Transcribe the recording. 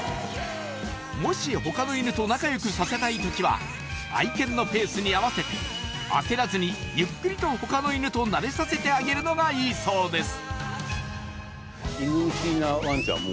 もし他の犬と仲良くさせたい時は愛犬のペースに合わせて焦らずにゆっくりと他の犬と慣れさせてあげるのがいいそうです